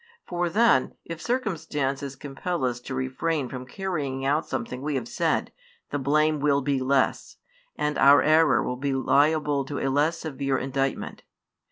For then, if circumstances compel us to refrain from carrying out something we have said, the blame will be less, and our error will be liable to a less severe indictment.